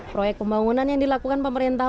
proyek pembangunan yang dilakukan pemerintah